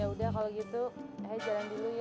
ya udah kalau gitu eh jalan dulu ya